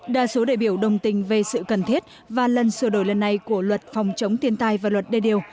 đa số đại biểu đồng tình về sự cần thiết và lần sửa đổi lần này của luật phòng chống thiên tai và luật đê điều